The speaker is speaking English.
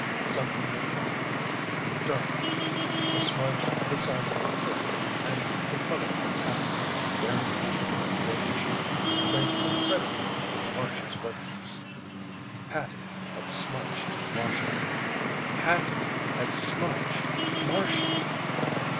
Something had happened! Darkly. A smudge the size of a quarter and the color of Hattie's guaranteed not to fade cheek, lay incredibly on Marcia's whiteness. Hattie had smudged Marcia! _Hattie Had Smudged Marcia!